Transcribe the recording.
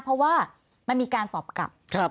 เพราะว่ามันมีการตอบกลับ